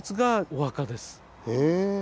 へえ。